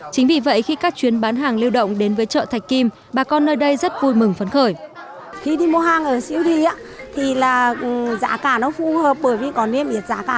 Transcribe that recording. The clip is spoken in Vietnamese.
chính vì vậy khi các chuyến bán hàng lưu động đến với chợ thạch kim bà con nơi đây rất vui mừng phấn khởi